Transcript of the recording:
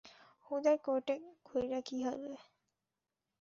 হুদাই কোর্টে ঘুইরা কি হইবো।